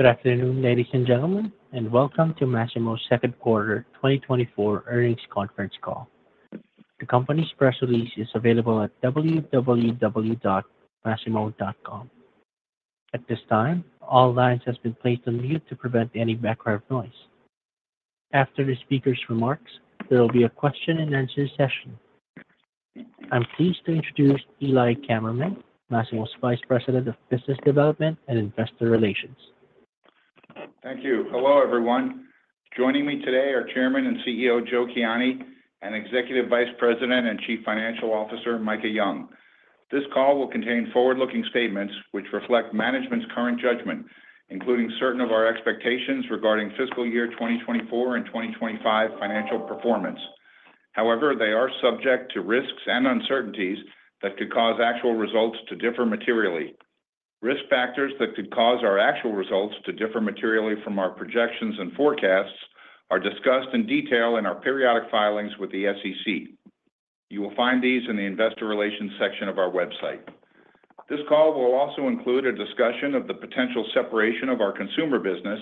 Good afternoon, ladies and gentlemen, and welcome to Masimo's second quarter 2024 earnings conference call. The company's press release is available at www.masimo.com. At this time, all lines have been placed on mute to prevent any background noise. After the speaker's remarks, there will be a question and answer session. I'm pleased to introduce Eli Kammerman, Masimo's Vice President of Business Development and Investor Relations. Thank you. Hello, everyone. Joining me today are Chairman and CEO, Joe Kiani, and Executive Vice President and Chief Financial Officer, Micah Young. This call will contain forward-looking statements which reflect management's current judgment, including certain of our expectations regarding fiscal year 2024 and 2025 financial performance. However, they are subject to risks and uncertainties that could cause actual results to differ materially. Risk factors that could cause our actual results to differ materially from our projections and forecasts are discussed in detail in our periodic filings with the SEC. You will find these in the Investor Relations section of our website. This call will also include a discussion of the potential separation of our consumer business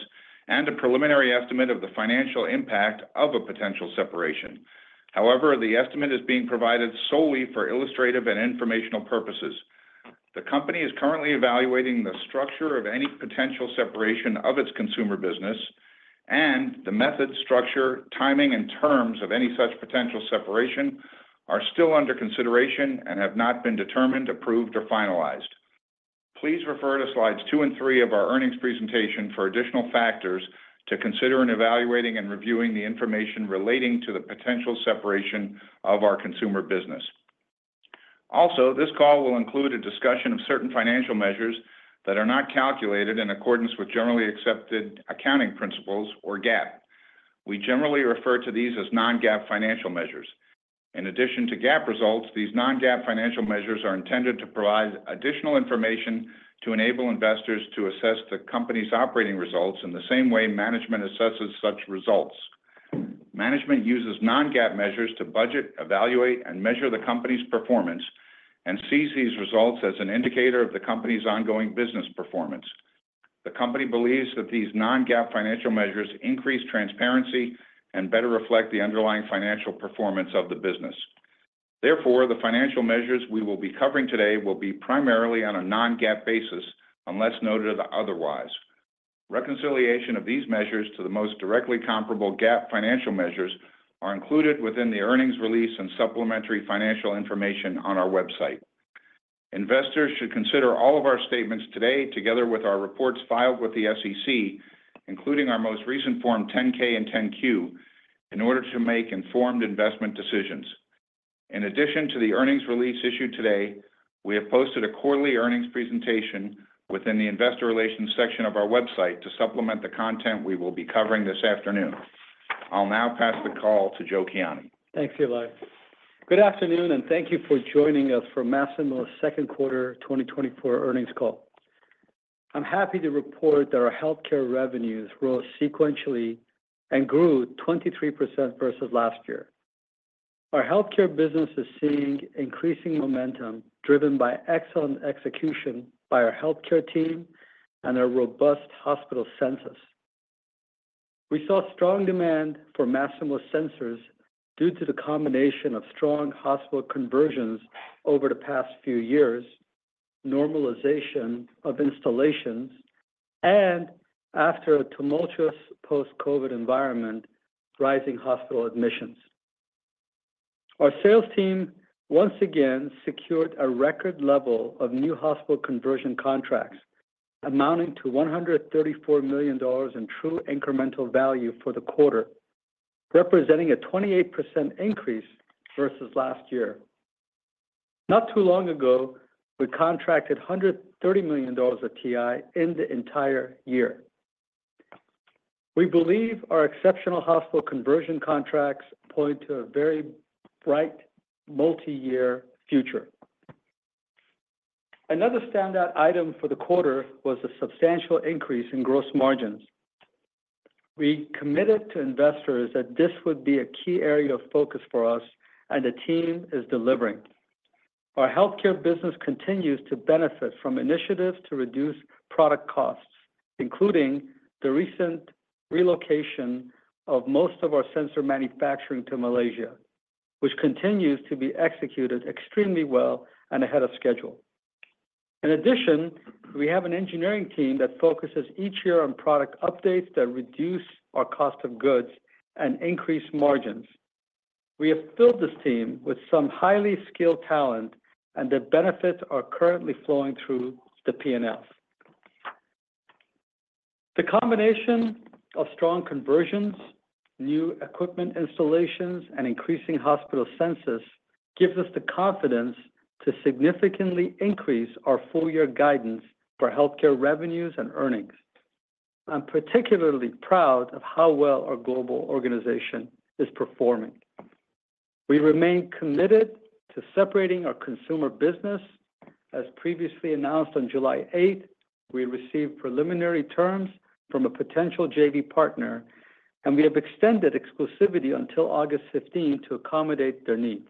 and a preliminary estimate of the financial impact of a potential separation. However, the estimate is being provided solely for illustrative and informational purposes. The company is currently evaluating the structure of any potential separation of its consumer business, and the method, structure, timing, and terms of any such potential separation are still under consideration and have not been determined, approved, or finalized. Please refer to slides 2 and 3 of our earnings presentation for additional factors to consider in evaluating and reviewing the information relating to the potential separation of our consumer business. Also, this call will include a discussion of certain financial measures that are not calculated in accordance with generally accepted accounting principles, or GAAP. We generally refer to these as non-GAAP financial measures. In addition to GAAP results, these non-GAAP financial measures are intended to provide additional information to enable investors to assess the company's operating results in the same way management assesses such results. Management uses non-GAAP measures to budget, evaluate, and measure the company's performance and sees these results as an indicator of the company's ongoing business performance. The company believes that these non-GAAP financial measures increase transparency and better reflect the underlying financial performance of the business. Therefore, the financial measures we will be covering today will be primarily on a non-GAAP basis, unless noted otherwise. Reconciliation of these measures to the most directly comparable GAAP financial measures are included within the earnings release and supplementary financial information on our website. Investors should consider all of our statements today, together with our reports filed with the SEC, including our most recent Form 10-K and 10-Q, in order to make informed investment decisions. In addition to the earnings release issued today, we have posted a quarterly earnings presentation within the Investor Relations section of our website to supplement the content we will be covering this afternoon. I'll now pass the call to Joe Kiani. Thanks, Eli. Good afternoon, and thank you for joining us for Masimo's second quarter 2024 earnings call. I'm happy to report that our healthcare revenues grew sequentially and grew 23% versus last year. Our healthcare business is seeing increasing momentum, driven by excellent execution by our healthcare team and our robust hospital census. We saw strong demand for Masimo's sensors due to the combination of strong hospital conversions over the past few years, normalization of installations, and after a tumultuous post-COVID environment, rising hospital admissions. Our sales team once again secured a record level of new hospital conversion contracts, amounting to $134 million in true incremental value for the quarter, representing a 28% increase versus last year. Not too long ago, we contracted $130 million of TI in the entire year. We believe our exceptional hospital conversion contracts point to a very bright multi-year future. Another standout item for the quarter was a substantial increase in gross margins. We committed to investors that this would be a key area of focus for us, and the team is delivering. Our healthcare business continues to benefit from initiatives to reduce product costs, including the recent relocation of most of our sensor manufacturing to Malaysia, which continues to be executed extremely well and ahead of schedule. In addition, we have an engineering team that focuses each year on product updates that reduce our cost of goods and increase margins. We have filled this team with some highly skilled talent, and the benefits are currently flowing through the P&L. The combination of strong conversions, new equipment installations, and increasing hospital census gives us the confidence to significantly increase our full year guidance for healthcare revenues and earnings. I'm particularly proud of how well our global organization is performing. We remain committed to separating our consumer business. As previously announced on July eighth, we received preliminary terms from a potential JV partner, and we have extended exclusivity until August fifteen to accommodate their needs.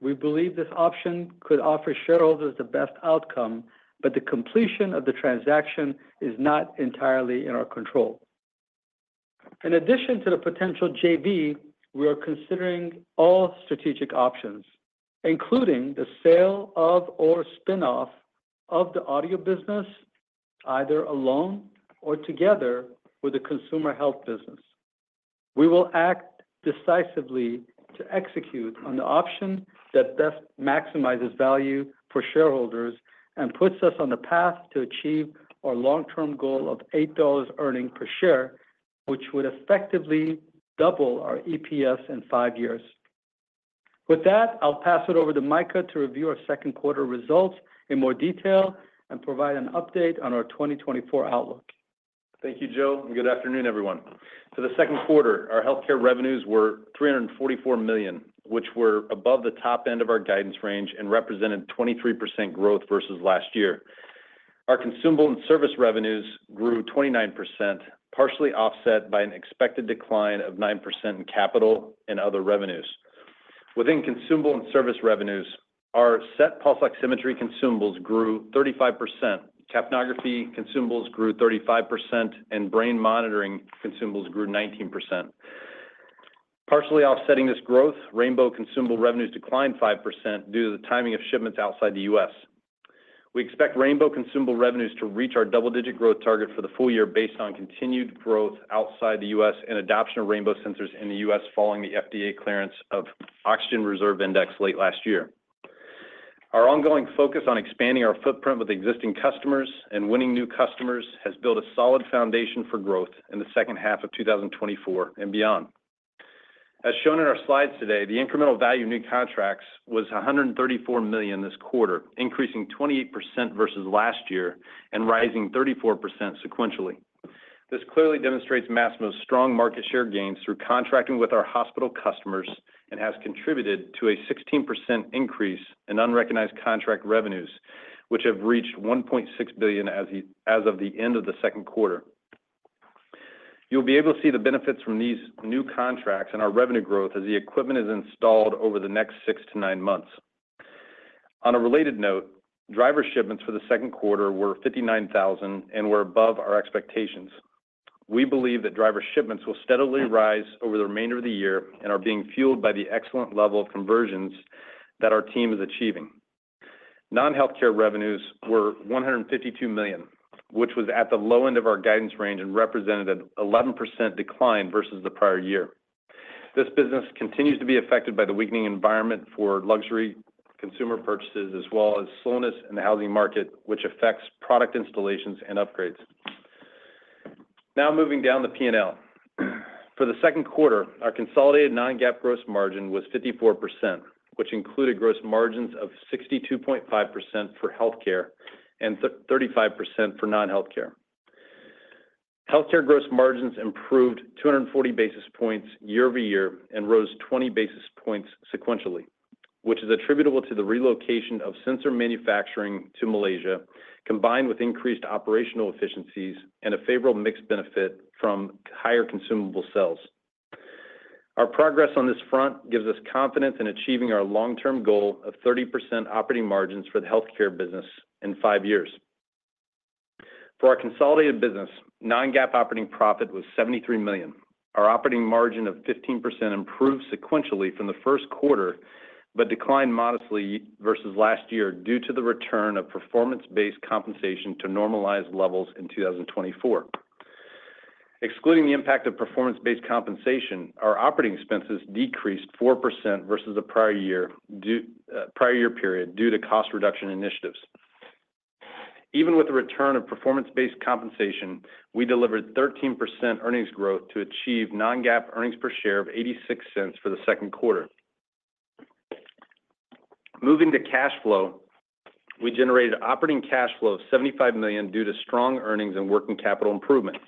We believe this option could offer shareholders the best outcome, but the completion of the transaction is not entirely in our control. In addition to the potential JV, we are considering all strategic options, including the sale of or spin-off of the audio business, either alone or together with the consumer health business. We will act decisively to execute on the option that best maximizes value for shareholders and puts us on the path to achieve our long-term goal of $8 earnings per share, which would effectively double our EPS in 5 years. With that, I'll pass it over to Micah to review our second quarter results in more detail and provide an update on our 2024 outlook. Thank you, Joe, and good afternoon, everyone. For the second quarter, our healthcare revenues were $344 million, which were above the top end of our guidance range and represented 23% growth versus last year. Our consumable and service revenues grew 29%, partially offset by an expected decline of 9% in capital and other revenues. Within consumable and service revenues, our SET pulse oximetry consumables grew 35%, capnography consumables grew 35%, and brain monitoring consumables grew 19%. Partially offsetting this growth, Rainbow consumable revenues declined 5% due to the timing of shipments outside the U.S. We expect Rainbow consumable revenues to reach our double-digit growth target for the full year based on continued growth outside the U.S. and adoption of Rainbow sensors in the U.S. following the FDA clearance of Oxygen Reserve Index late last year. Our ongoing focus on expanding our footprint with existing customers and winning new customers has built a solid foundation for growth in the second half of 2024 and beyond. As shown in our slides today, the incremental value of new contracts was $134 million this quarter, increasing 28% versus last year and rising 34% sequentially. This clearly demonstrates Masimo's strong market share gains through contracting with our hospital customers and has contributed to a 16% increase in unrecognized contract revenues, which have reached $1.6 billion as of the end of the second quarter. You'll be able to see the benefits from these new contracts and our revenue growth as the equipment is installed over the next six to nine months. On a related note, driver shipments for the second quarter were 59,000 and were above our expectations. We believe that driver shipments will steadily rise over the remainder of the year and are being fueled by the excellent level of conversions that our team is achieving. Non-healthcare revenues were $152 million, which was at the low end of our guidance range and represented an 11% decline versus the prior year. This business continues to be affected by the weakening environment for luxury consumer purchases, as well as slowness in the housing market, which affects product installations and upgrades. Now moving down the P&L. For the second quarter, our consolidated non-GAAP gross margin was 54%, which included gross margins of 62.5% for healthcare and thirty-five percent for non-healthcare. Healthcare gross margins improved 240 basis points year-over-year and rose 20 basis points sequentially, which is attributable to the relocation of sensor manufacturing to Malaysia, combined with increased operational efficiencies and a favorable mix benefit from higher consumable sales. Our progress on this front gives us confidence in achieving our long-term goal of 30% operating margins for the healthcare business in 5 years. For our consolidated business, non-GAAP operating profit was $73 million. Our operating margin of 15% improved sequentially from the first quarter, but declined modestly versus last year due to the return of performance-based compensation to normalized levels in 2024. Excluding the impact of performance-based compensation, our operating expenses decreased 4% versus the prior year due, prior year period, due to cost reduction initiatives. Even with the return of performance-based compensation, we delivered 13% earnings growth to achieve non-GAAP earnings per share of $0.86 for the second quarter. Moving to cash flow, we generated operating cash flow of $75 million due to strong earnings and working capital improvements.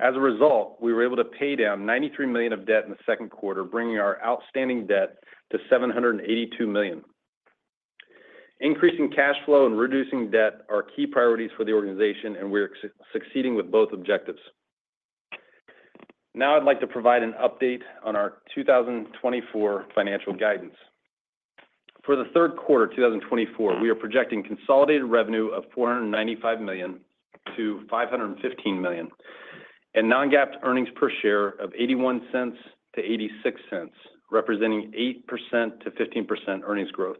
As a result, we were able to pay down $93 million of debt in the second quarter, bringing our outstanding debt to $782 million. Increasing cash flow and reducing debt are key priorities for the organization, and we are succeeding with both objectives. Now, I'd like to provide an update on our 2024 financial guidance. For the third quarter, 2024, we are projecting consolidated revenue of $495 million-$515 million, and non-GAAP earnings per share of $0.81-$0.86, representing 8%-15% earnings growth.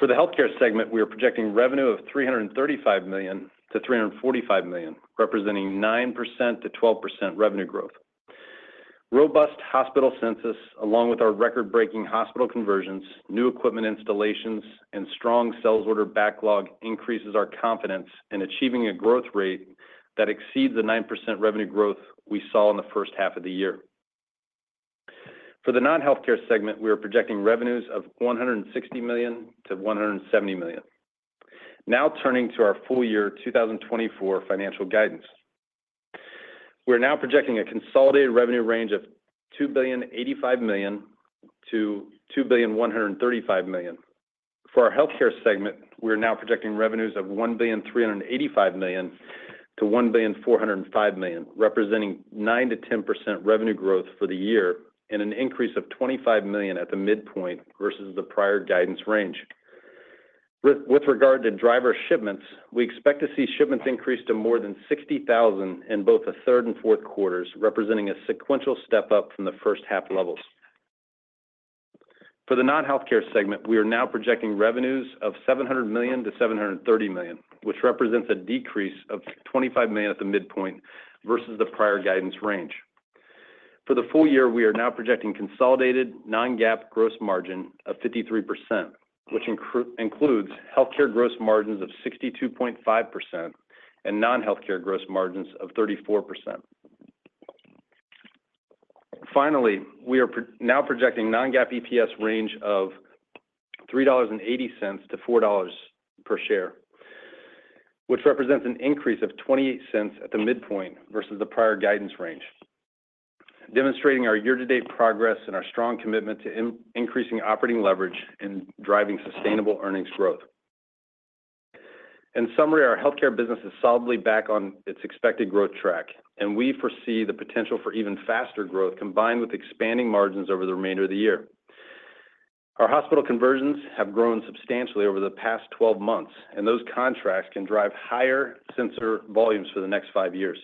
For the healthcare segment, we are projecting revenue of $335 million-$345 million, representing 9%-12% revenue growth. Robust hospital census, along with our record-breaking hospital conversions, new equipment installations, and strong sales order backlog, increases our confidence in achieving a growth rate that exceeds the 9% revenue growth we saw in the first half of the year. For the non-healthcare segment, we are projecting revenues of $160 million-$170 million. Now, turning to our full year 2024 financial guidance. We are now projecting a consolidated revenue range of $2.085 billion-$2.135 billion. For our healthcare segment, we are now projecting revenues of $1.385 billion-$1.405 billion, representing 9%-10% revenue growth for the year and an increase of $25 million at the midpoint versus the prior guidance range. With regard to driver shipments, we expect to see shipments increase to more than 60,000 in both the third and fourth quarters, representing a sequential step-up from the first half levels. For the non-healthcare segment, we are now projecting revenues of $700 million-$730 million, which represents a decrease of $25 million at the midpoint versus the prior guidance range. For the full year, we are now projecting consolidated non-GAAP gross margin of 53%, which includes healthcare gross margins of 62.5% and non-healthcare gross margins of 34%. Finally, we are now projecting non-GAAP EPS range of $3.80-$4 per share, which represents an increase of 28 cents at the midpoint versus the prior guidance range, demonstrating our year-to-date progress and our strong commitment to increasing operating leverage and driving sustainable earnings growth. In summary, our healthcare business is solidly back on its expected growth track, and we foresee the potential for even faster growth, combined with expanding margins over the remainder of the year. Our hospital conversions have grown substantially over the past 12 months, and those contracts can drive higher sensor volumes for the next 5 years.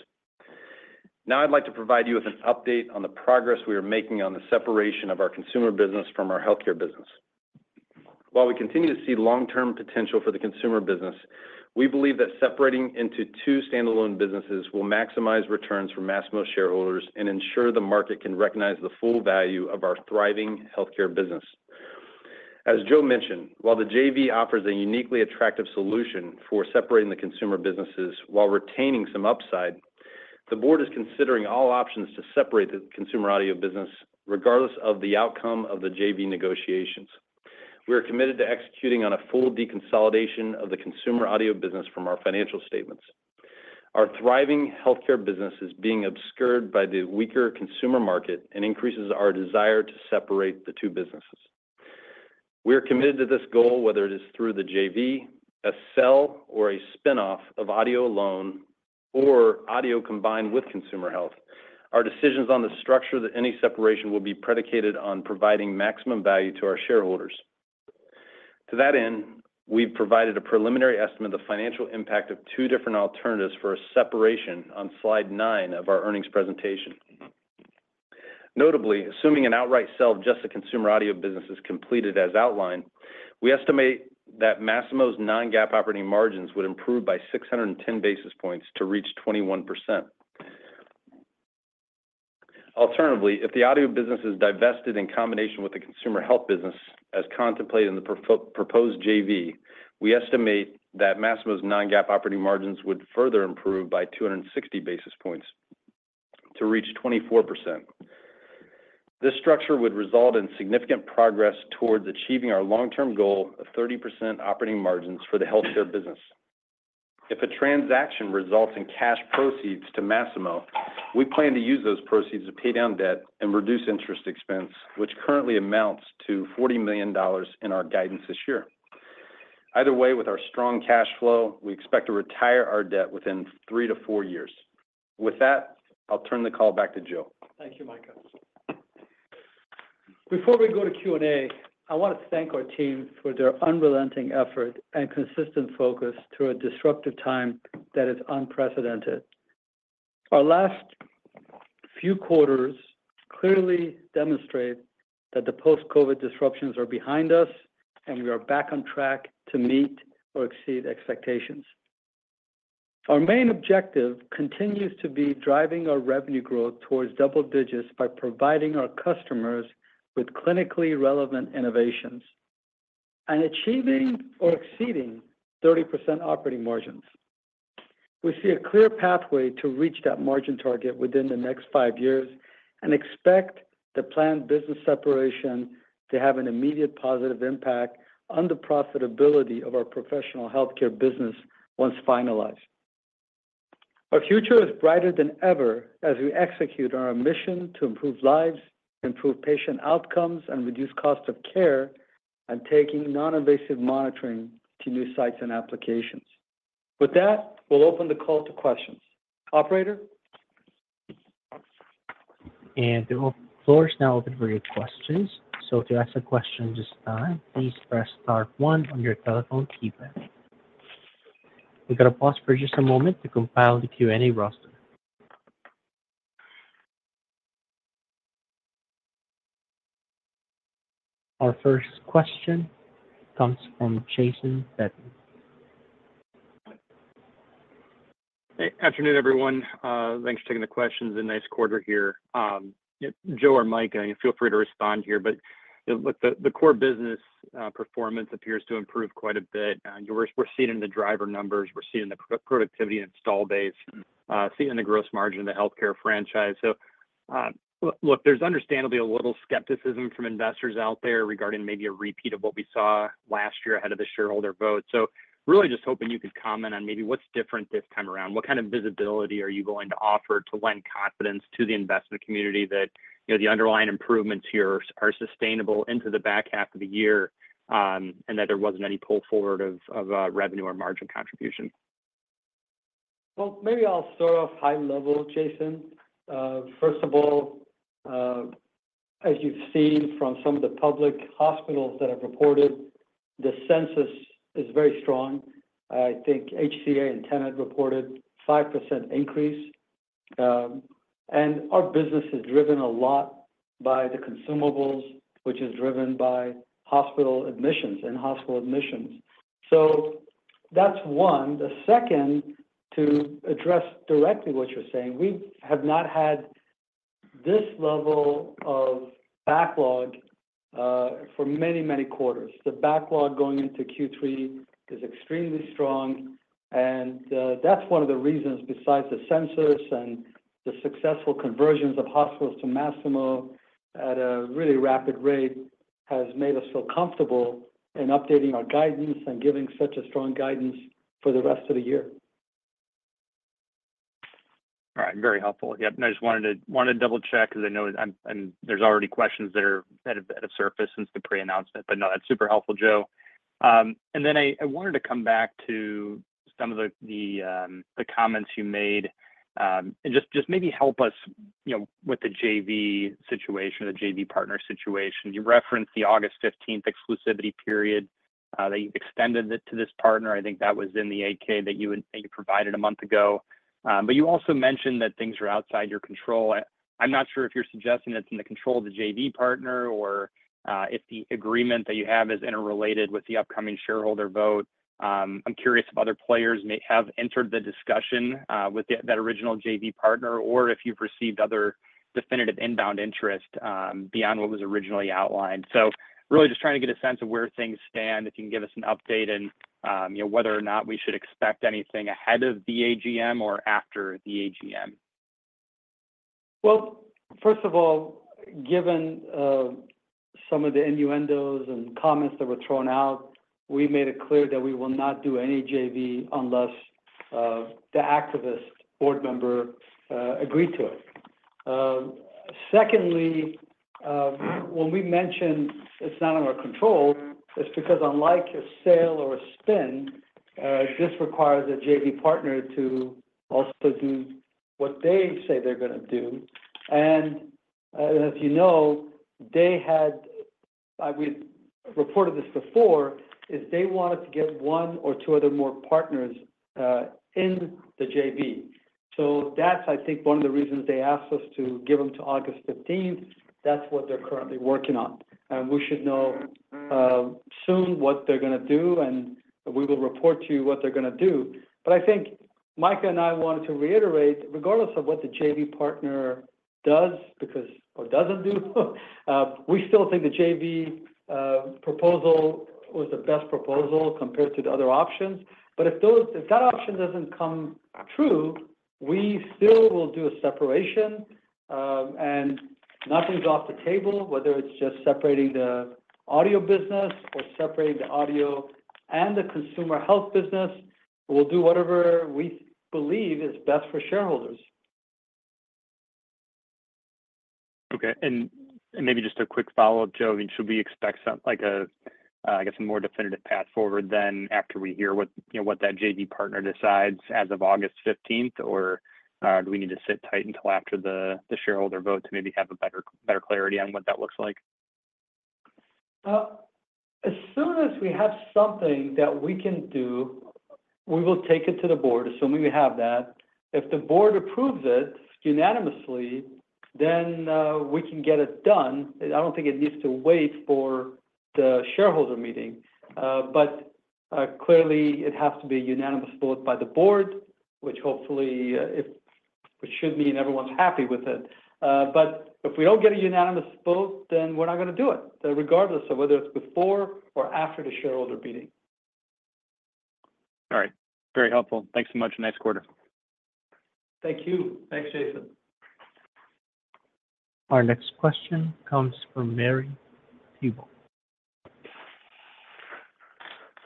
Now, I'd like to provide you with an update on the progress we are making on the separation of our consumer business from our healthcare business. While we continue to see long-term potential for the consumer business, we believe that separating into two standalone businesses will maximize returns for Masimo shareholders and ensure the market can recognize the full value of our thriving healthcare business. As Joe mentioned, while the JV offers a uniquely attractive solution for separating the consumer businesses while retaining some upside, the board is considering all options to separate the consumer audio business, regardless of the outcome of the JV negotiations. We are committed to executing on a full deconsolidation of the consumer audio business from our financial statements. Our thriving healthcare business is being obscured by the weaker consumer market and increases our desire to separate the two businesses. We are committed to this goal, whether it is through the JV, a sale, or a spinoff of audio alone, or audio combined with consumer health. Our decisions on the structure that any separation will be predicated on providing maximum value to our shareholders. To that end, we've provided a preliminary estimate of the financial impact of two different alternatives for a separation on slide 9 of our earnings presentation. Notably, assuming an outright sell of just the consumer audio business is completed as outlined, we estimate that Masimo's non-GAAP operating margins would improve by 610 basis points to reach 21%. Alternatively, if the audio business is divested in combination with the consumer health business, as contemplated in the proposed JV, we estimate that Masimo's non-GAAP operating margins would further improve by 260 basis points to reach 24%. This structure would result in significant progress towards achieving our long-term goal of 30% operating margins for the healthcare business. If a transaction results in cash proceeds to Masimo, we plan to use those proceeds to pay down debt and reduce interest expense, which currently amounts to $40 million in our guidance this year. Either way, with our strong cash flow, we expect to retire our debt within 3-4 years. With that, I'll turn the call back to Joe. Thank you, Micah. Before we go to Q&A, I want to thank our team for their unrelenting effort and consistent focus through a disruptive time that is unprecedented. Our last few quarters clearly demonstrate that the post-COVID disruptions are behind us, and we are back on track to meet or exceed expectations. Our main objective continues to be driving our revenue growth towards double digits by providing our customers with clinically relevant innovations and achieving or exceeding 30% operating margins. We see a clear pathway to reach that margin target within the next 5 years and expect the planned business separation to have an immediate positive impact on the profitability of our professional healthcare business once finalized. Our future is brighter than ever as we execute on our mission to improve lives, improve patient outcomes, and reduce cost of care, and taking non-invasive monitoring to new sites and applications. With that, we'll open the call to questions. Operator? The floor is now open for your questions. To ask a question at this time, please press star one on your telephone keypad. We've got to pause for just a moment to compile the Q&A roster. Our first question comes from Jason Bednar. Hey, afternoon, everyone. Thanks for taking the questions, and nice quarter here. Joe or Micah, feel free to respond here, but look, the core business performance appears to improve quite a bit. We're seeing it in the driver numbers, we're seeing it in the productivity and install base, and seeing it in the gross margin of the healthcare franchise. So look, there's understandably a little skepticism from investors out there regarding maybe a repeat of what we saw last year ahead of the shareholder vote. So really just hoping you could comment on maybe what's different this time around. What kind of visibility are you going to offer to lend confidence to the investment community that, you know, the underlying improvements here are sustainable into the back half of the year, and that there wasn't any pull forward of, of, revenue or margin contribution?... Well, maybe I'll start off high level, Jason. First of all, as you've seen from some of the public hospitals that have reported, the census is very strong. I think HCA and Tenet reported 5% increase. And our business is driven a lot by the consumables, which is driven by hospital admissions, and hospital admissions. So that's one. The second, to address directly what you're saying, we have not had this level of backlog for many, many quarters. The backlog going into Q3 is extremely strong, and that's one of the reasons, besides the census and the successful conversions of hospitals to Masimo at a really rapid rate, has made us feel comfortable in updating our guidance and giving such a strong guidance for the rest of the year. All right. Very helpful. Yep, and I just wanted to double-check because I know I'm and there's already questions that have surfaced since the pre-announcement. But no, that's super helpful, Joe. And then I wanted to come back to some of the comments you made, and just maybe help us, you know, with the JV situation or the JV partner situation. You referenced the August fifteenth exclusivity period that you've extended it to this partner. I think that was in the 8-K that you provided a month ago. But you also mentioned that things are outside your control. I'm not sure if you're suggesting it's in the control of the JV partner, or if the agreement that you have is interrelated with the upcoming shareholder vote. I'm curious if other players may have entered the discussion with that original JV partner, or if you've received other definitive inbound interest beyond what was originally outlined. So really just trying to get a sense of where things stand, if you can give us an update on, you know, whether or not we should expect anything ahead of the AGM or after the AGM. Well, first of all, given some of the innuendos and comments that were thrown out, we made it clear that we will not do any JV unless the activist board member agreed to it. Secondly, when we mentioned it's not in our control, it's because unlike a sale or a spin, this requires a JV partner to also do what they say they're gonna do. And, as you know, they had... We've reported this before, is they wanted to get one or two other more partners in the JV. So that's, I think, one of the reasons they asked us to give them to August fifteenth. That's what they're currently working on. And we should know soon what they're gonna do, and we will report to you what they're gonna do. But I think Micah and I wanted to reiterate, regardless of what the JV partner does or doesn't do, we still think the JV proposal was the best proposal compared to the other options. But if that option doesn't come true, we still will do a separation, and nothing's off the table, whether it's just separating the audio business or separating the audio and the consumer health business. We'll do whatever we believe is best for shareholders. Okay. And maybe just a quick follow-up, Joe. Should we expect some, like, I guess, a more definitive path forward then after we hear what, you know, what that JV partner decides as of August fifteenth? Or do we need to sit tight until after the shareholder vote to maybe have a better clarity on what that looks like? As soon as we have something that we can do, we will take it to the board, assuming we have that. If the board approves it unanimously, then we can get it done. I don't think it needs to wait for the shareholder meeting. But clearly, it has to be a unanimous vote by the board, which hopefully it should mean everyone's happy with it. But if we don't get a unanimous vote, then we're not gonna do it, regardless of whether it's before or after the shareholder meeting. All right. Very helpful. Thanks so much. Nice quarter. Thank you. Thanks, Jason. Our next question comes from Marie Thibault.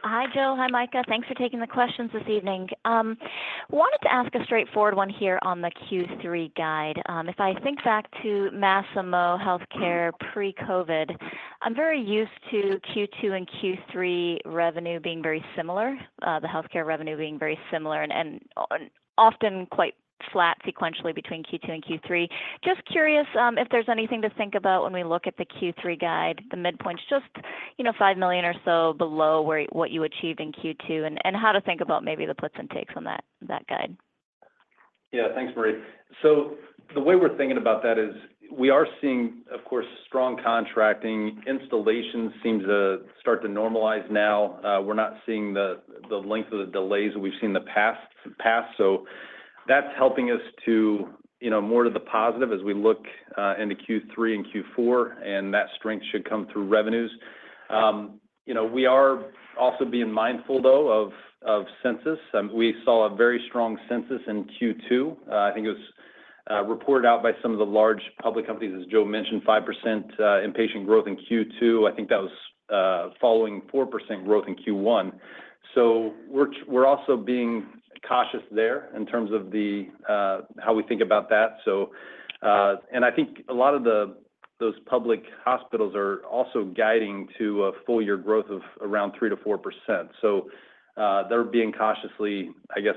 Hi, Joe. Hi, Micah. Thanks for taking the questions this evening. Wanted to ask a straightforward one here on the Q3 guide. If I think back to Masimo Healthcare pre-COVID, I'm very used to Q2 and Q3 revenue being very similar, the healthcare revenue being very similar and often quite flat sequentially between Q2 and Q3. Just curious, if there's anything to think about when we look at the Q3 guide, the midpoint's just, you know, $5 million or so below what you achieved in Q2, and how to think about maybe the puts and takes on that guide. Yeah. Thanks, Marie. So the way we're thinking about that is, we are seeing, of course, strong contracting. Installation seems to start to normalize now. We're not seeing the length of the delays that we've seen in the past, so that's helping us to, you know, more to the positive as we look into Q3 and Q4, and that strength should come through revenues. You know, we are also being mindful, though, of census. We saw a very strong census in Q2. I think it was reported out by some of the large public companies. As Joe mentioned, 5% inpatient growth in Q2. I think that was following 4% growth in Q1. So we're also being cautious there in terms of how we think about that. So, and I think a lot of those public hospitals are also guiding to a full year growth of around 3%-4%. So, they're being cautiously, I guess,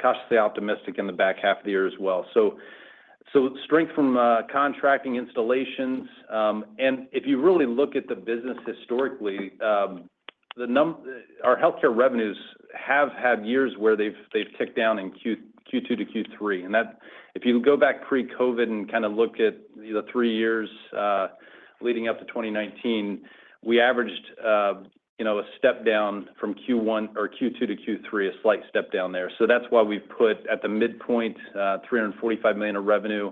cautiously optimistic in the back half of the year as well. So, so strength from contracting installations. And if you really look at the business historically, our healthcare revenues have had years where they've ticked down in Q2 to Q3. If you go back pre-COVID and kinda look at the three years leading up to 2019, we averaged, you know, a step down from Q1 or Q2 to Q3, a slight step down there. So that's why we've put at the midpoint $345 million of revenue.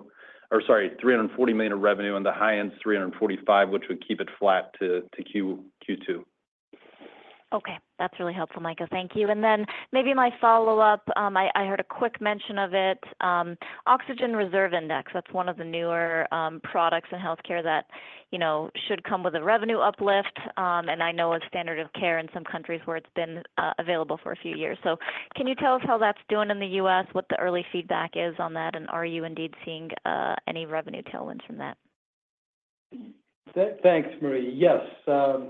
Or sorry, $340 million of revenue, on the high end, $345, which would keep it flat to Q2. Okay. That's really helpful, Micah. Thank you. And then maybe my follow-up, I heard a quick mention of it, Oxygen Reserve Index. That's one of the newer products in healthcare that, you know, should come with a revenue uplift, and I know a standard of care in some countries where it's been available for a few years. So can you tell us how that's doing in the U.S., what the early feedback is on that, and are you indeed seeing any revenue tailwinds from that? Thanks, Marie. Yes,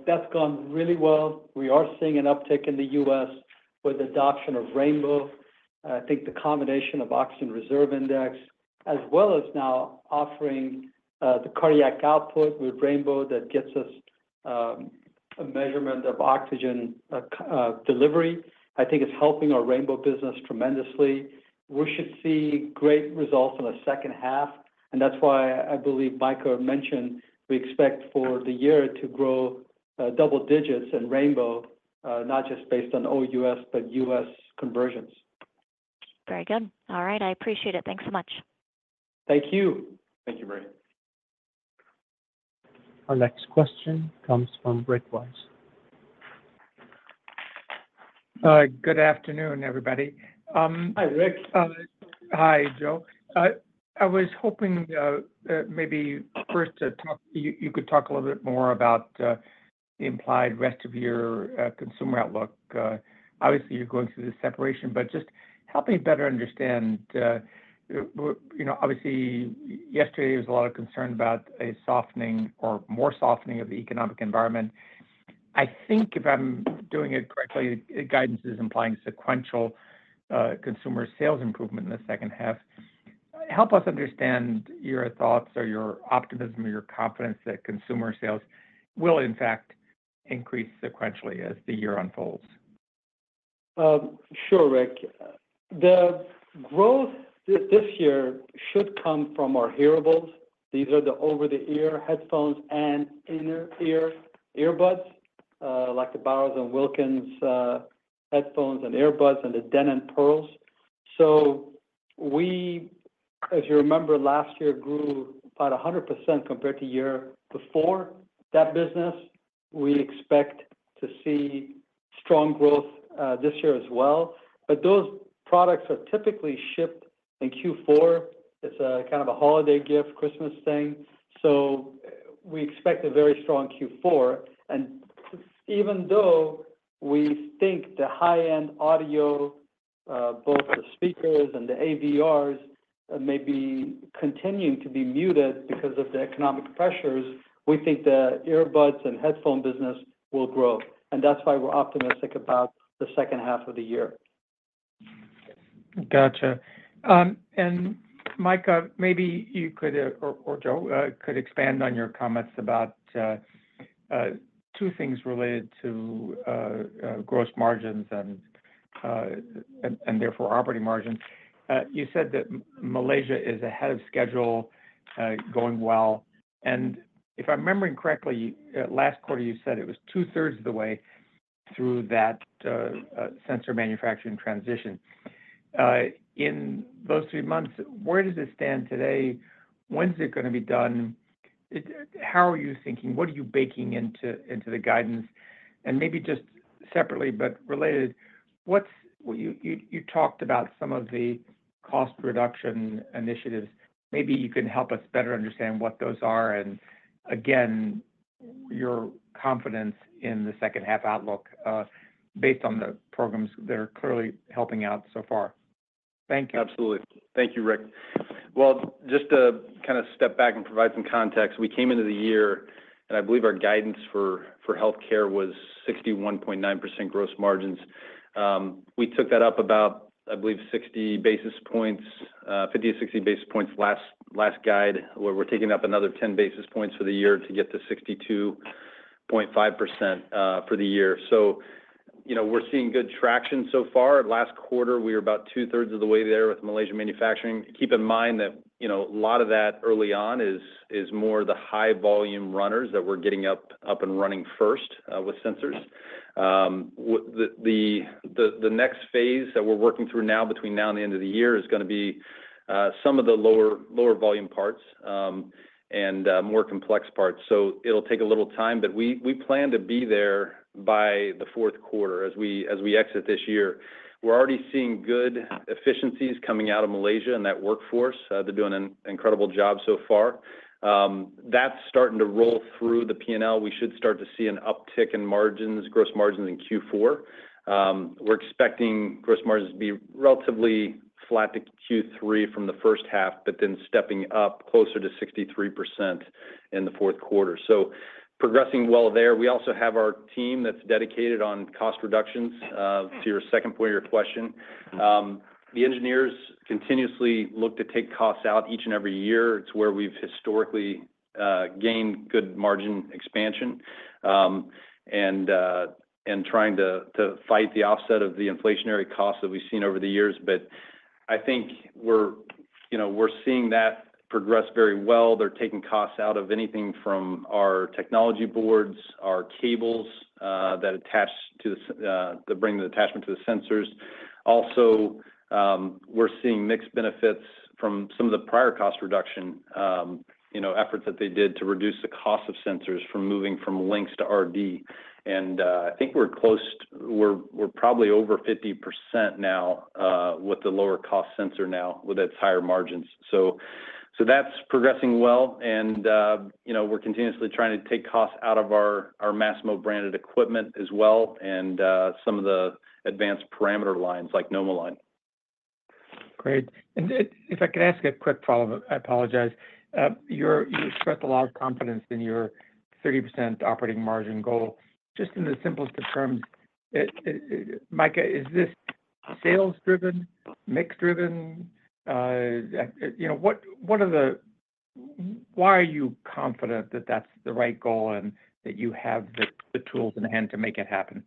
that's gone really well. We are seeing an uptick in the U.S. with adoption of Rainbow. I think the combination of Oxygen Reserve Index, as well as now offering, the cardiac output with Rainbow, that gets us, a measurement of oxygen, delivery, I think is helping our Rainbow business tremendously. We should see great results in the second half, and that's why I believe Micah mentioned we expect for the year to grow, double digits in Rainbow, not just based on all U.S., but U.S. conversions. Very good. All right. I appreciate it. Thanks so much. Thank you. Thank you, Marie. Our next question comes from Rick Wise. Good afternoon, everybody. Hi, Rick. Hi, Joe. I was hoping, maybe first you could talk a little bit more about the implied rest of your consumer outlook. Obviously, you're going through this separation, but just help me better understand, you know, obviously, yesterday, there was a lot of concern about a softening or more softening of the economic environment. I think if I'm doing it correctly, the guidance is implying sequential consumer sales improvement in the second half. Help us understand your thoughts or your optimism or your confidence that consumer sales will, in fact, increase sequentially as the year unfolds. Sure, Rick. The growth this year should come from our hearables. These are the over-the-ear headphones and inner-ear earbuds, like the Bowers & Wilkins headphones and earbuds and the Denon PerL. So we, as you remember, last year, grew about 100% compared to year before that business. We expect to see strong growth, this year as well. But those products are typically shipped in Q4. It's a kind of a holiday gift, Christmas thing, so we expect a very strong Q4. And even though we think the high-end audio, both the speakers and the AVRs, may be continuing to be muted because of the economic pressures, we think the earbuds and headphone business will grow, and that's why we're optimistic about the second half of the year. Gotcha. And Micah, maybe you could, or, or Joe, could expand on your comments about, two things related to, gross margins and, and, and therefore, operating margins. You said that Malaysia is ahead of schedule, going well. And if I'm remembering correctly, last quarter, you said it was two-thirds of the way through that, sensor manufacturing transition. In those three months, where does it stand today? When's it gonna be done? How are you thinking? What are you baking into, into the guidance? And maybe just separately, but related, what's-- you, you, you talked about some of the cost reduction initiatives. Maybe you can help us better understand what those are, and again, your confidence in the second half outlook, based on the programs that are clearly helping out so far. Thank you. Absolutely. Thank you, Rick. Well, just to kinda step back and provide some context, we came into the year, and I believe our guidance for, for healthcare was 61.9% gross margins. We took that up about, I believe, 60 basis points, fifty to sixty basis points last, last guide, where we're taking up another 10 basis points for the year to get to 62.5%, for the year. So, you know, we're seeing good traction so far. Last quarter, we were about two-thirds of the way there with Malaysia manufacturing. Keep in mind that, you know, a lot of that early on is, is more the high-volume runners that we're getting up, up, and running first, with sensors. The next phase that we're working through now between now and the end of the year is gonna be some of the lower volume parts and more complex parts. So it'll take a little time, but we plan to be there by the fourth quarter as we exit this year. We're already seeing good efficiencies coming out of Malaysia and that workforce. They're doing an incredible job so far. That's starting to roll through the P&L. We should start to see an uptick in margins, gross margins in Q4. We're expecting gross margins to be relatively flat to Q3 from the first half, but then stepping up closer to 63% in the fourth quarter. So, progressing well there. We also have our team that's dedicated on cost reductions to your second part of your question. The engineers continuously look to take costs out each and every year. It's where we've historically gained good margin expansion and trying to fight the offset of the inflationary costs that we've seen over the years. But I think we're, you know, we're seeing that progress very well. They're taking costs out of anything from our technology boards, our cables that bring the attachment to the sensors. Also, we're seeing mixed benefits from some of the prior cost reduction, you know, efforts that they did to reduce the cost of sensors from moving from LNCS to RD. And, I think we're close—we're probably over 50% now, with the lower cost sensor now, with its higher margins. So that's progressing well, and, you know, we're continuously trying to take costs out of our Masimo-branded equipment as well, and, some of the advanced parameter lines, like NomoLine. Great. If I could ask a quick follow-up, I apologize. You expressed a lot of confidence in your 30% operating margin goal. Just in the simplest of terms, Micah, is this sales driven, mix driven? You know, what are the... Why are you confident that that's the right goal, and that you have the tools in hand to make it happen?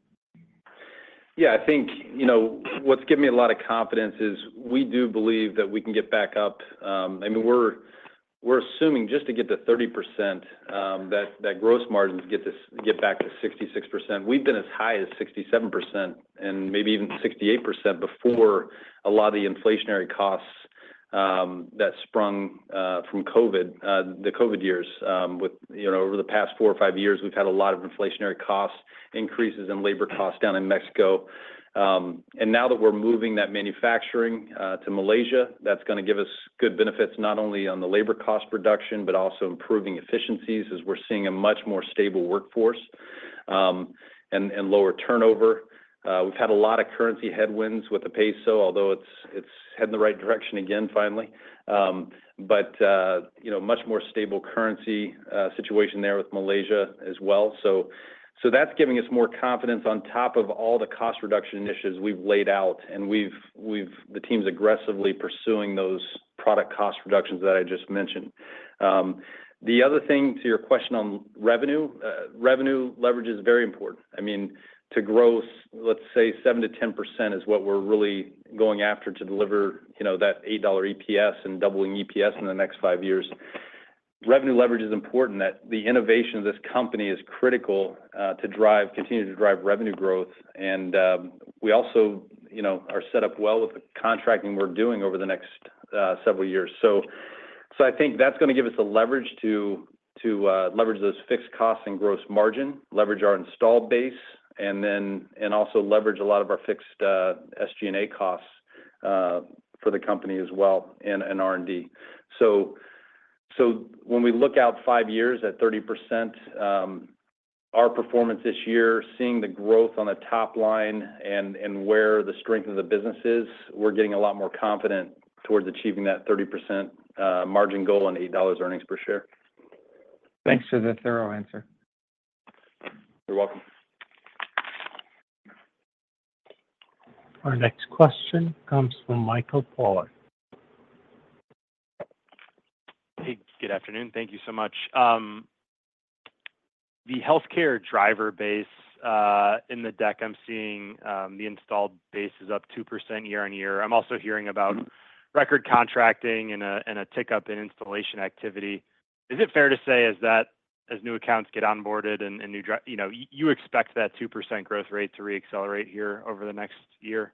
Yeah, I think, you know, what's given me a lot of confidence is, we do believe that we can get back up. I mean, we're assuming, just to get to 30%, that gross margins get back to 66%. We've been as high as 67%, and maybe even 68%, before a lot of the inflationary costs that sprung from COVID, the COVID years. With, you know, over the past 4 or 5 years, we've had a lot of inflationary cost increases in labor costs down in Mexico. And now that we're moving that manufacturing to Malaysia, that's gonna give us good benefits, not only on the labor cost reduction, but also improving efficiencies, as we're seeing a much more stable workforce, and lower turnover. We've had a lot of currency headwinds with the peso, although it's heading the right direction again, finally. But, you know, much more stable currency situation there with Malaysia as well. So that's giving us more confidence on top of all the cost reduction initiatives we've laid out, and the team's aggressively pursuing those product cost reductions that I just mentioned. The other thing, to your question on revenue, revenue leverage is very important. I mean, to gross, let's say, 7%-10% is what we're really going after to deliver, you know, that $8 EPS and doubling EPS in the next five years. Revenue leverage is important, that the innovation of this company is critical, to continue to drive revenue growth. And, we also, you know, are set up well with the contracting we're doing over the next several years. So, I think that's gonna give us the leverage to leverage those fixed costs and gross margin, leverage our installed base, and then, and also leverage a lot of our fixed SG&A costs for the company as well, and R&D. So, when we look out five years at 30%, our performance this year, seeing the growth on the top line and where the strength of the business is, we're getting a lot more confident towards achieving that 30% margin goal and $8 earnings per share. Thanks for the thorough answer. You're welcome. Our next question comes from Michael Polark. Hey, good afternoon. Thank you so much. The healthcare driver base, in the deck, I'm seeing, the installed base is up 2% year-on-year. I'm also hearing about record contracting and a tick-up in installation activity. Is it fair to say, as that—as new accounts get onboarded and new dri—you know, you expect that 2% growth rate to re-accelerate here over the next year?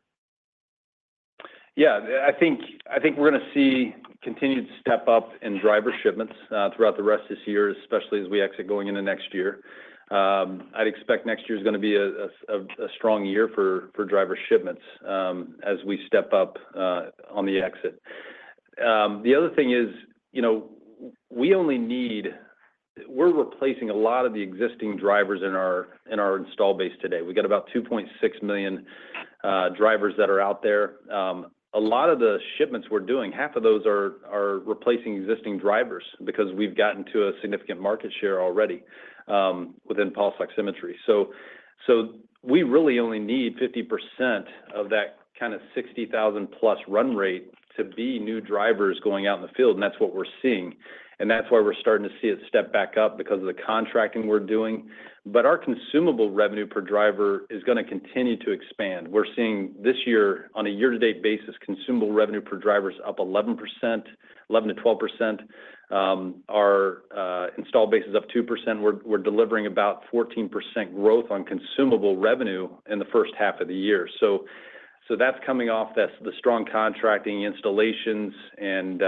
Yeah. I think, I think we're gonna see continued step up in driver shipments throughout the rest of this year, especially as we exit going into next year. I'd expect next year is gonna be a strong year for driver shipments as we step up on the exit. The other thing is, you know, we only need... We're replacing a lot of the existing drivers in our install base today. We've got about 2.6 million drivers that are out there. A lot of the shipments we're doing, half of those are replacing existing drivers because we've gotten to a significant market share already within pulse oximetry. We really only need 50% of that kind of 60,000+ run rate to be new drivers going out in the field, and that's what we're seeing. And that's why we're starting to see it step back up, because of the contracting we're doing. But our consumable revenue per driver is gonna continue to expand. We're seeing, this year, on a year-to-date basis, consumable revenue per driver is up 11%, 11%-12%. Our install base is up 2%. We're delivering about 14% growth on consumable revenue in the first half of the year. So that's coming off, that's the strong contracting installations and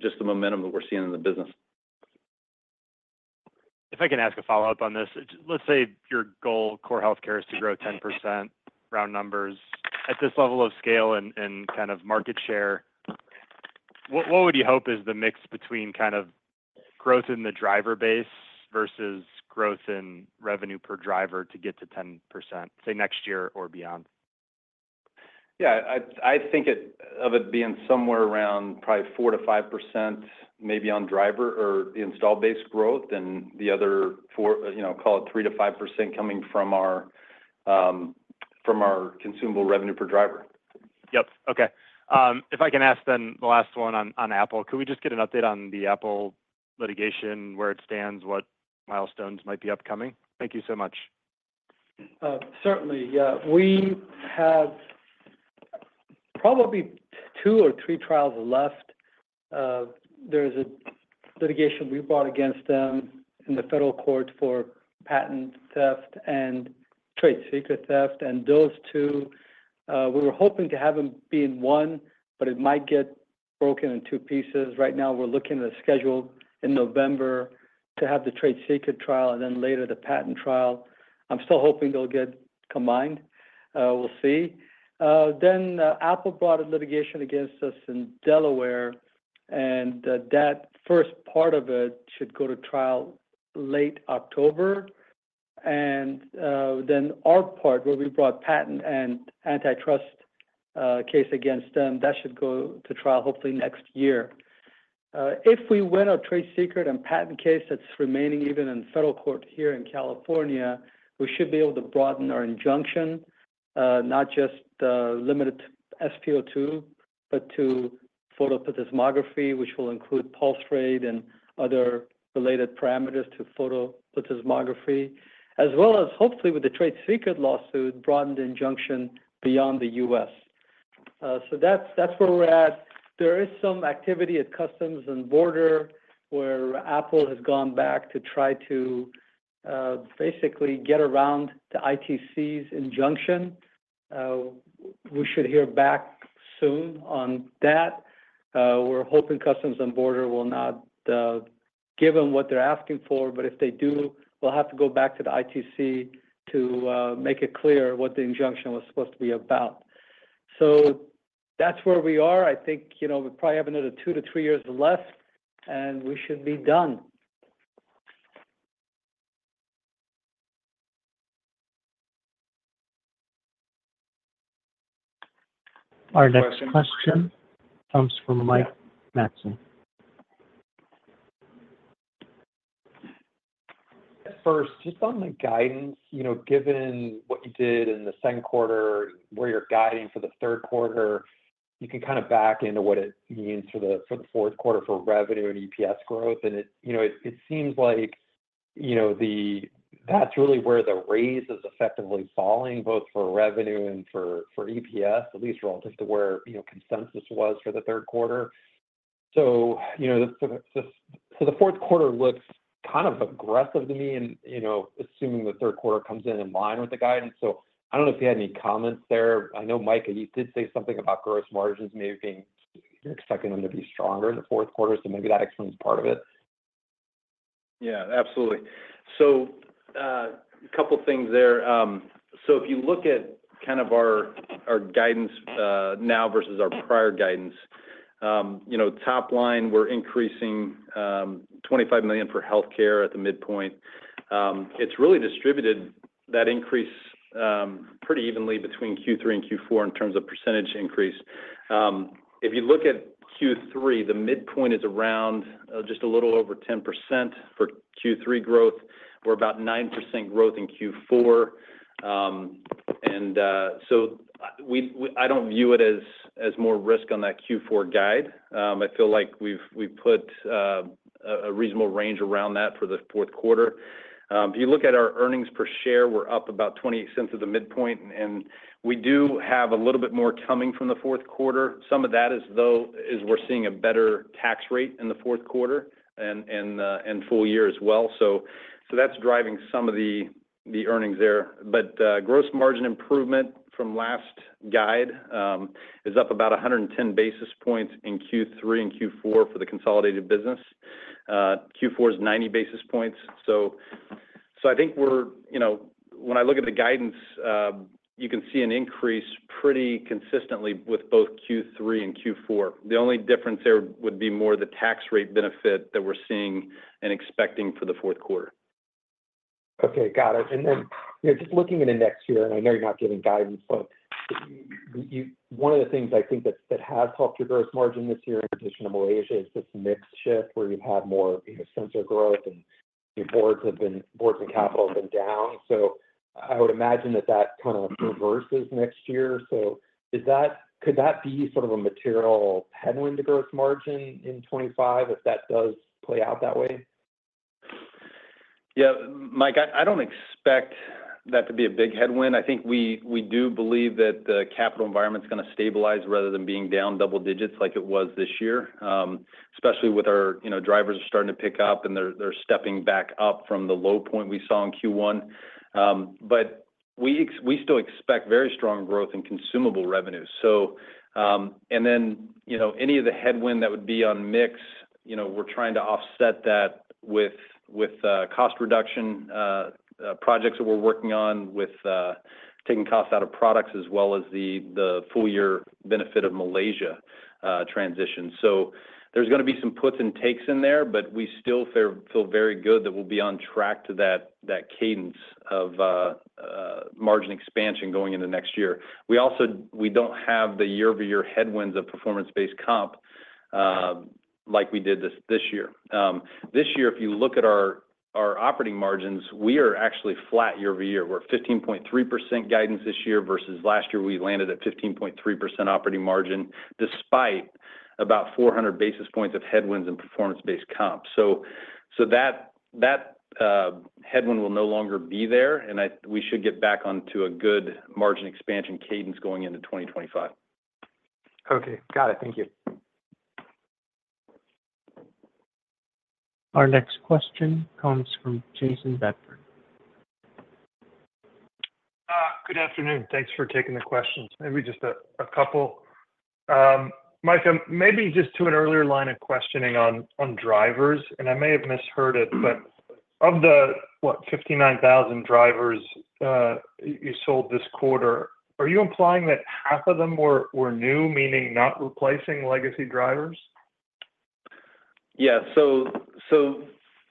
just the momentum that we're seeing in the business. If I can ask a follow-up on this. Let's say your goal, core healthcare, is to grow 10%, round numbers. At this level of scale and, and kind of market share, what, what would you hope is the mix between kind of growth in the driver base versus growth in revenue per driver to get to 10%, say, next year or beyond? ... Yeah, I, I think it, of it being somewhere around probably 4%-5% maybe on driver or install base growth, and the other four, you know, call it 3%-5% coming from our, from our consumable revenue per driver. Yep. Okay. If I can ask then the last one on Apple. Could we just get an update on the Apple litigation, where it stands, what milestones might be upcoming? Thank you so much. Certainly, yeah. We have probably two or three trials left. There is a litigation we brought against them in the federal court for patent theft and trade secret theft. And those two, we were hoping to have them be in one, but it might get broken in two pieces. Right now, we're looking at a schedule in November to have the trade secret trial, and then later the patent trial. I'm still hoping they'll get combined. We'll see. Then, Apple brought a litigation against us in Delaware, and that, that first part of it should go to trial late October. And, then our part, where we brought patent and antitrust, case against them, that should go to trial hopefully next year. If we win our trade secret and patent case that's remaining even in federal court here in California, we should be able to broaden our injunction, not just limited SpO2, but to photoplethysmography, which will include pulse rate and other related parameters to photoplethysmography, as well as, hopefully, with the trade secret lawsuit, broaden the injunction beyond the U.S. So that's, that's where we're at. There is some activity at Customs and Border, where Apple has gone back to try to basically get around the ITC's injunction. We should hear back soon on that. We're hoping Customs and Border will not give them what they're asking for, but if they do, we'll have to go back to the ITC to make it clear what the injunction was supposed to be about. So that's where we are. I think, you know, we probably have another 2-3 years left, and we should be done. Our next question comes from Mike Matson. First, just on the guidance, you know, given what you did in the second quarter, where you're guiding for the third quarter, you can kinda back into what it means for the, for the fourth quarter for revenue and EPS growth. And it—you know, it, it seems like, you know, the—that's really where the raise is effectively falling, both for revenue and for, for EPS, at least relative to where, you know, consensus was for the third quarter. So, you know, so the, so the fourth quarter looks kind of aggressive to me and, you know, assuming the third quarter comes in in line with the guidance. So I don't know if you had any comments there. I know, Mike, you did say something about gross margins maybe being—you're expecting them to be stronger in the fourth quarter, so maybe that explains part of it. Yeah, absolutely. So, a couple of things there. So if you look at kind of our guidance now versus our prior guidance, you know, top line, we're increasing $25 million for healthcare at the midpoint. It's really distributed that increase pretty evenly between Q3 and Q4 in terms of percentage increase. If you look at Q3, the midpoint is around just a little over 10% for Q3 growth, or about 9% growth in Q4. And so, I don't view it as more risk on that Q4 guide. I feel like we've put a reasonable range around that for the fourth quarter. If you look at our earnings per share, we're up about $0.28 at the midpoint, and we do have a little bit more coming from the fourth quarter. Some of that, though, is we're seeing a better tax rate in the fourth quarter and full year as well. So that's driving some of the, the earnings there. But gross margin improvement from last guide is up about 110 basis points in Q3 and Q4 for the consolidated business. Q4 is 90 basis points. So I think we're... You know, when I look at the guidance, you can see an increase pretty consistently with both Q3 and Q4. The only difference there would be more the tax rate benefit that we're seeing and expecting for the fourth quarter. Okay, got it. And then, you know, just looking into next year, and I know you're not giving guidance, but you-- one of the things I think that, that has helped your gross margin this year, in addition to Malaysia, is this mix shift, where you've had more, you know, sensor growth and your boards have been-- boards and capital have been down. So I would imagine that that kinda reverses next year. So is that-- could that be sort of a material headwind to gross margin in 2025, if that does play out that way? Yeah, Mike, I don't expect that to be a big headwind. I think we do believe that the capital environment is gonna stabilize rather than being down double digits like it was this year, especially with our, you know, drivers are starting to pick up, and they're stepping back up from the low point we saw in Q1. But we still expect very strong growth in consumable revenues. So, and then, you know, any of the headwind that would be on mix, you know, we're trying to offset that with cost reduction projects that we're working on, with taking costs out of products, as well as the full year benefit of Malaysia transition. So there's gonna be some puts and takes in there, but we still feel, feel very good that we'll be on track to that, that cadence of margin expansion going into next year. We also we don't have the year-over-year headwinds of performance-based comp, like we did this, this year. This year, if you look at our, our operating margins, we are actually flat year over year. We're at 15.3% guidance this year, versus last year, we landed at 15.3% operating margin, despite about 400 basis points of headwinds and performance-based comp. So, so that, that headwind will no longer be there, and I we should get back onto a good margin expansion cadence going into 2025. Okay. Got it. Thank you. Our next question comes from Jayson Bedford. Good afternoon. Thanks for taking the questions. Maybe just a couple. Micah, maybe just to an earlier line of questioning on drivers, and I may have misheard it, but of the what, 59,000 drivers you sold this quarter, are you implying that half of them were new, meaning not replacing legacy drivers? Yeah. So, so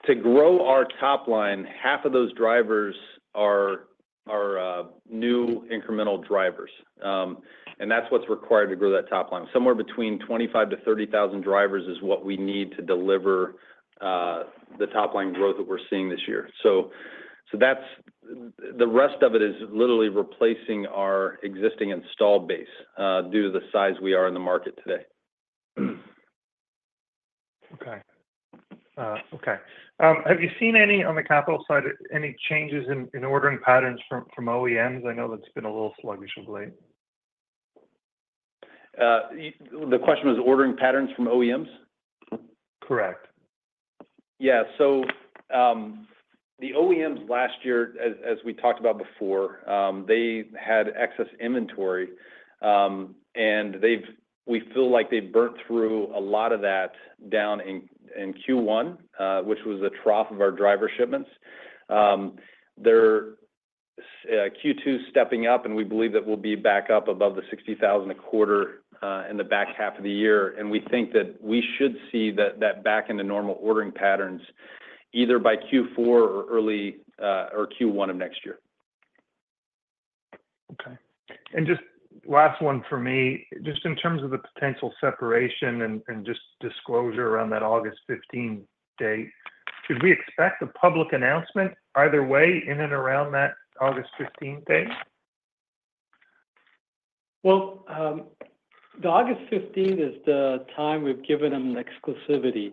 to grow our top line, half of those drivers are, are, new incremental drivers. And that's what's required to grow that top line. Somewhere between 25 to 30,000 drivers is what we need to deliver the top-line growth that we're seeing this year. So, so that's—the rest of it is literally replacing our existing installed base due to the size we are in the market today. Okay. Have you seen any, on the capital side, any changes in ordering patterns from OEMs? I know that's been a little sluggish of late. The question was ordering patterns from OEMs? Correct. Yeah. So, the OEMs last year, as we talked about before, they had excess inventory, and they've—we feel like they've burnt through a lot of that down in Q1, which was the trough of our driver shipments. Their Q2 is stepping up, and we believe that we'll be back up above the 60,000 a quarter, in the back half of the year. And we think that we should see that back into normal ordering patterns, either by Q4 or early or Q1 of next year. Okay. Just last one for me. Just in terms of the potential separation and just disclosure around that August fifteenth date, should we expect a public announcement either way, in and around that August fifteenth date? Well, the August fifteenth is the time we've given them an exclusivity.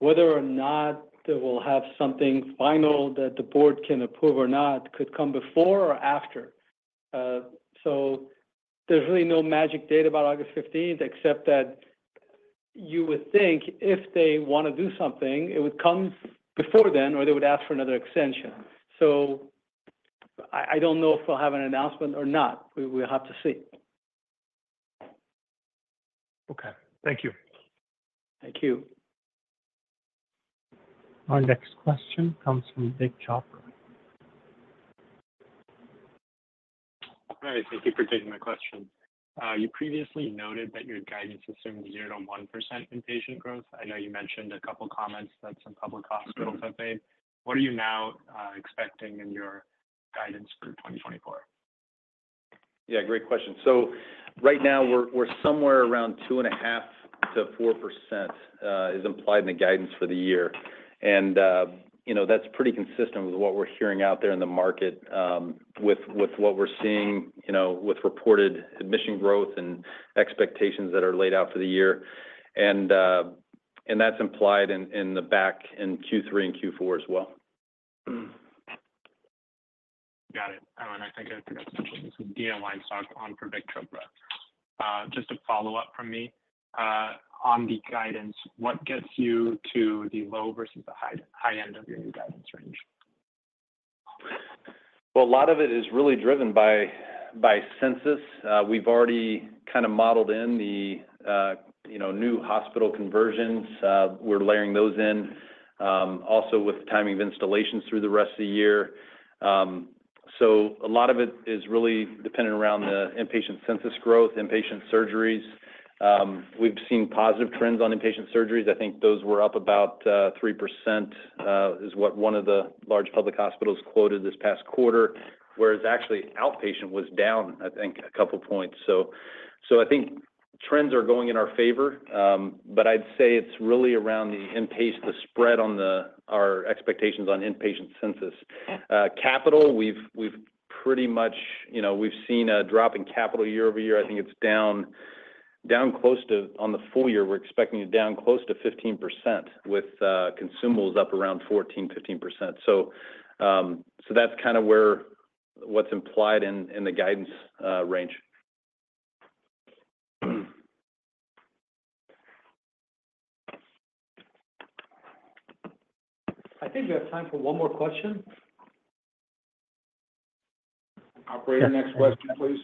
Whether or not they will have something final that the board can approve or not, could come before or after. So there's really no magic date about August fifteenth, except that you would think if they want to do something, it would come before then, or they would ask for another extension. So I, I don't know if we'll have an announcement or not. We, we'll have to see. Okay. Thank you. Thank you. Our next question comes from Vik Chopra. Hi, thank you for taking my question. You previously noted that your guidance assumes 0%-1% in patient growth. I know you mentioned a couple of comments that some public hospitals have made. What are you now expecting in your guidance for 2024? Yeah, great question. So right now, we're somewhere around 2.5%-4% is implied in the guidance for the year. And, you know, that's pretty consistent with what we're hearing out there in the market, with what we're seeing, you know, with reported admission growth and expectations that are laid out for the year. And that's implied in the back in Q3 and Q4 as well. Got it. I think I forgot to mention, this is Daniel Weinstock on for Vik Chopra. Just a follow-up from me, on the guidance. What gets you to the low versus the high, high end of your new guidance range? Well, a lot of it is really driven by census. We've already kind of modeled in the, you know, new hospital conversions. We're layering those in, also with the timing of installations through the rest of the year. So a lot of it is really dependent around the inpatient census growth, inpatient surgeries. We've seen positive trends on inpatient surgeries. I think those were up about 3%, is what one of the large public hospitals quoted this past quarter, whereas actually, outpatient was down, I think, a couple points. So I think trends are going in our favor, but I'd say it's really around the inpatient, the spread on the, our expectations on inpatient census. Capital, we've pretty much... You know, we've seen a drop in capital year-over-year. I think it's down, down close to, on the full year, we're expecting it down close to 15%, with consumables up around 14, 15%. So, so that's kind of where, what's implied in, in the guidance range. I think we have time for one more question. Operator, next question, please.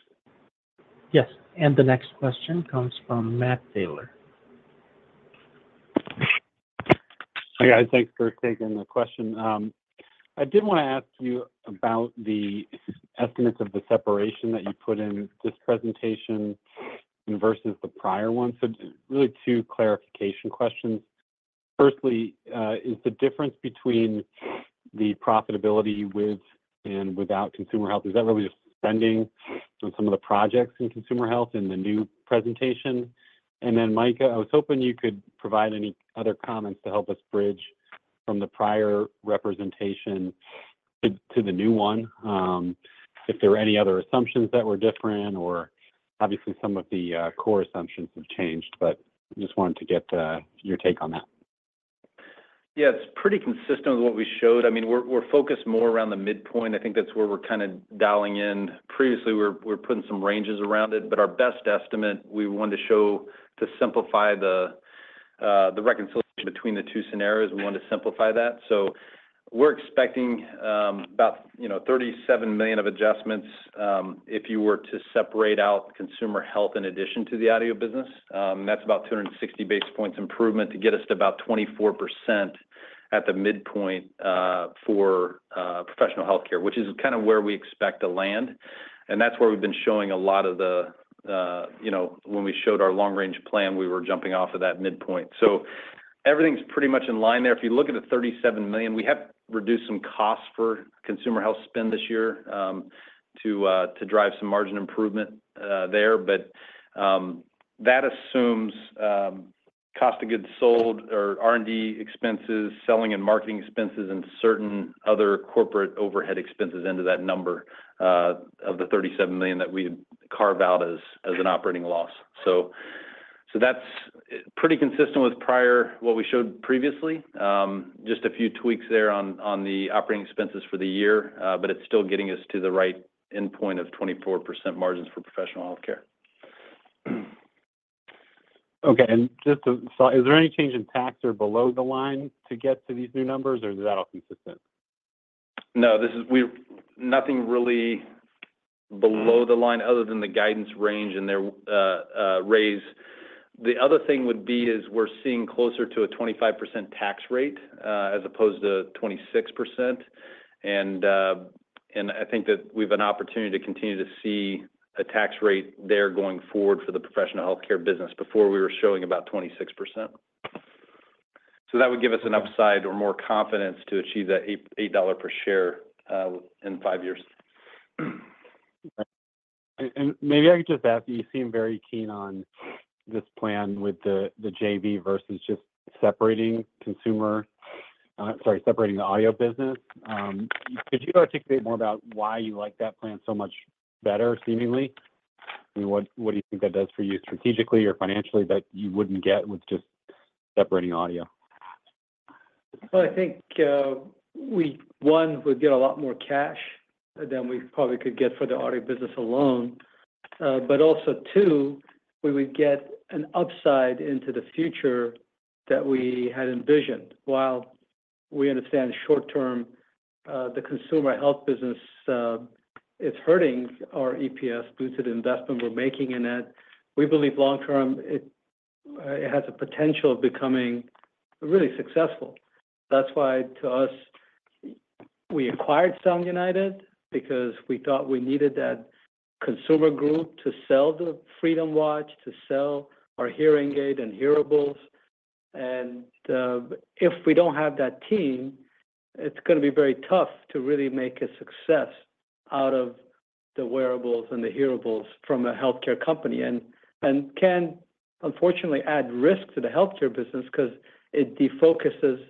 Yes, and the next question comes from Matt Taylor. Hi, guys. Thanks for taking the question. I did want to ask you about the estimates of the separation that you put in this presentation versus the prior one. So really, two clarification questions. First, is the difference between the profitability with and without consumer health really just spending on some of the projects in consumer health in the new presentation? And then, Mike, I was hoping you could provide any other comments to help us bridge from the prior presentation to the new one, if there were any other assumptions that were different, or obviously, some of the core assumptions have changed, but just wanted to get your take on that. Yeah, it's pretty consistent with what we showed. I mean, we're focused more around the midpoint. I think that's where we're kind of dialing in. Previously, we're putting some ranges around it, but our best estimate, we wanted to show to simplify the reconciliation between the two scenarios, we wanted to simplify that. So we're expecting about, you know, $37 million of adjustments if you were to separate out consumer health in addition to the audio business. That's about 260 basis points improvement to get us to about 24% at the midpoint for professional healthcare, which is kind of where we expect to land. And that's where we've been showing a lot of the, you know, when we showed our long-range plan, we were jumping off of that midpoint. So everything's pretty much in line there. If you look at the $37 million, we have reduced some costs for consumer health spend this year, to drive some margin improvement there. But that assumes cost of goods sold or R&D expenses, selling and marketing expenses, and certain other corporate overhead expenses into that number of the $37 million that we carve out as an operating loss. So that's pretty consistent with prior, what we showed previously. Just a few tweaks there on the operating expenses for the year, but it's still getting us to the right endpoint of 24% margins for professional healthcare. Okay. So, is there any change in tax or below the line to get to these new numbers, or is that all consistent? No, this is we've nothing really below the line other than the guidance range and their raise. The other thing would be is we're seeing closer to a 25% tax rate as opposed to 26%. And I think that we've an opportunity to continue to see a tax rate there going forward for the professional healthcare business. Before, we were showing about 26%. So that would give us an upside or more confidence to achieve that $8 per share in 5 years. Maybe I could just ask, you seem very keen on this plan with the JV versus just separating consumer, separating the audio business. Could you articulate more about why you like that plan so much better, seemingly? I mean, what do you think that does for you strategically or financially that you wouldn't get with just separating audio? Well, I think, we, one, would get a lot more cash than we probably could get for the audio business alone. But also, two, we would get an upside into the future that we had envisioned. While we understand short term, the consumer health business, is hurting our EPS due to the investment we're making in it, we believe long term, it, it has a potential of becoming really successful. That's why, to us, we acquired Sound United because we thought we needed that consumer group to sell the Freedom watch, to sell our hearing aid and hearables. And, if we don't have that team, it's gonna be very tough to really make a success out of the wearables and the hearables from a healthcare company, and can, unfortunately, add risk to the healthcare business because it defocuses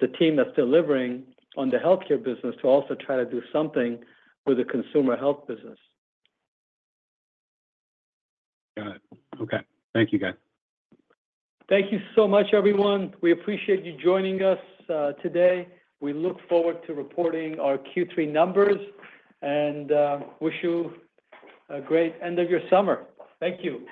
the team that's delivering on the healthcare business to also try to do something with the consumer health business. Got it. Okay. Thank you, guys. Thank you so much, everyone. We appreciate you joining us, today. We look forward to reporting our Q3 numbers, and wish you a great end of your summer. Thank you.